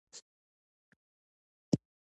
غزني د افغانستان د سیلګرۍ برخه ده.